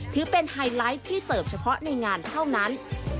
ถือเป็นไฮไลท์ที่เสิร์ฟเฉพาะในงานเท่านั้น